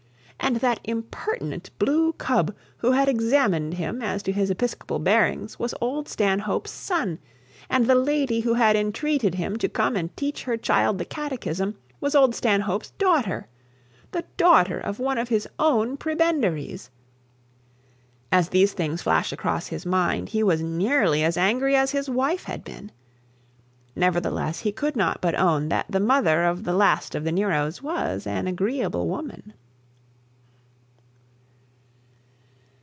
And that impertinent blue cub who had examined him as to his episcopal bearings was old Stanhope's son, and the lady who had entreated him to come and teach her child the catechism was old Stanhope's daughter! The daughter of one of his own prebendaries! As these things flashed across his mind, he was nearly as angry as his wife had been. Nevertheless he could not but own that the mother of the last of the Neros was an agreeable woman.